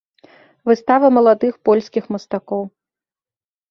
Выстава маладых польскіх мастакоў.